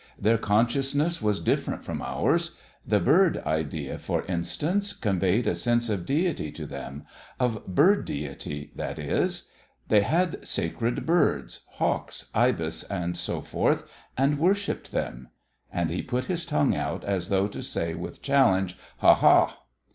Their consciousness was different from ours. The bird idea, for instance, conveyed a sense of deity to them of bird deity, that is: they had sacred birds hawks, ibis, and so forth and worshipped them." And he put his tongue out as though to say with challenge, "Ha, ha!"